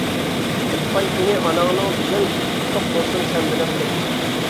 تۇغقان كۈنى ئاناڭنىڭ بۈگۈن، قۇتلۇق بولسۇن سەن بىلەن قېتىپ.